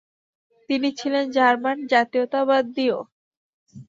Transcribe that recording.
তিনি ছিলেন জার্মান জাতীয়তাবাদীও ।